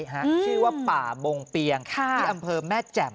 ชื่อว่าป่ามงเปียงที่อำเภอแม่แจ่ม